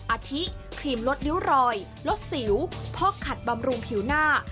อาทิครีมลดริ้วรอยลดสิวพอกขัดบำรุงผิวหน้า